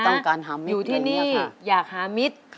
ต้องการหามิตรอย่างนี้ค่ะอยู่ที่นี่อยากหามิตร